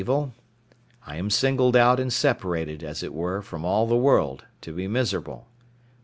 I am singled out and separated, as it were, from all the world, to be miserable.